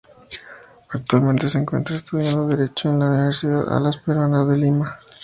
Actualmente se encuentra estudiando Derecho en la Universidad Alas Peruanas de Lima.